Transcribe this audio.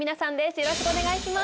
よろしくお願いします。